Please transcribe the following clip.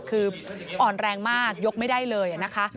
คืออ่อนแรงมากยกไม่ได้เลยนะคะ